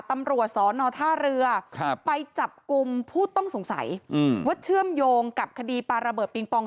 ตำรวจสอนอท่าเรือไปจับกลุ่มผู้ต้องสงสัยว่าเชื่อมโยงกับคดีปลาระเบิดปิงปอง